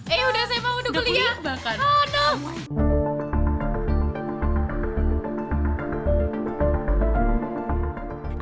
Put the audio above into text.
eh udah sma udah kuliah